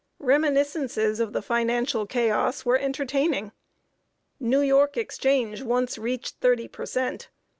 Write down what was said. Reminiscences of the financial chaos were entertaining. New York exchange once reached thirty per cent.